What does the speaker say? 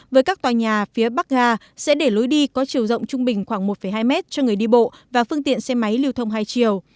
với các tòa nhà phía bắc ga sẽ để lối đi có chiều rộng trung bình khoảng một hai m cho người đi bộ và phương tiện xe máy lưu thông hai chiều